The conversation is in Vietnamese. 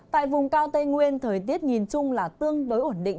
tại vùng cao tây nguyên thời tiết nhìn chung là tương đối ổn định